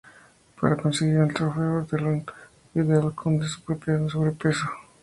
Para conseguir el trofeo ron deberá ayudar al Conde con su problema de sobrepeso.